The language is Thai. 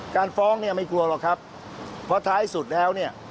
การฟ้องไม่กลัวหรอกครับเพราะท้ายสุดแล้ว